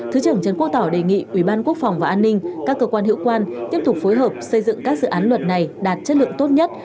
thứ trưởng trần quốc tỏ đề nghị ủy ban quốc phòng và an ninh các cơ quan hiệu quan tiếp tục phối hợp xây dựng các dự án luật này đạt chất lượng tốt nhất